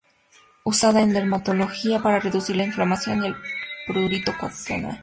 Usada en dermatología para reducir la inflamación y el prurito cutáneo.